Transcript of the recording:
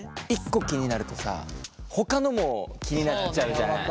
１個気になるとさほかのも気になっちゃうじゃない。